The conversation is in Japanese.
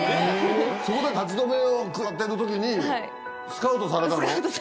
そこで立ち止めを食らってた時にスカウトされたの？